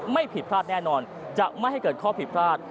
ไม่ผิดพลาดแน่นอนจะไม่ให้เกิดข้อผิดพลาด